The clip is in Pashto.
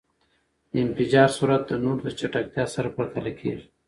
د انفجار سرعت د نور د چټکتیا سره پرتله کېږی.